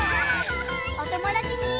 おともだちに。